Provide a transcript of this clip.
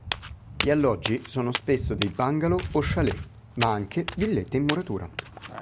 Gli alloggi sono spesso dei bungalow o chalet; ma anche villette in muratura.